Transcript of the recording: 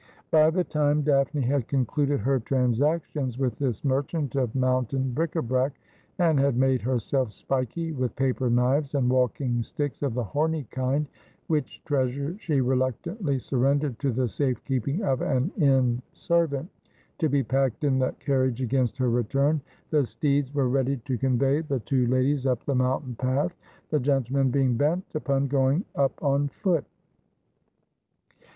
By the time Daphne had concluded her transactions with this merchant of mountain hric d brac, and had made herself spiky with paper knives and walking sticks of the horny kind — which treasures she reluctantly sur rendered to the safe keeping of an inn servant, to be packed in the carriage against her return — the steeds were ready to convey the two ladies up the mountain path, the gentlemen being bent upon going up on foot.